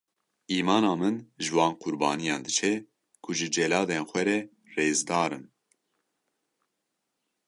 Îmana min ji wan qurbaniyan diçe ku ji celadên xwe re rêzdar in.